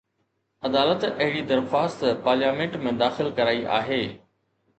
عدالت اهڙي درخواست پارليامينٽ ۾ داخل ڪرائي آهي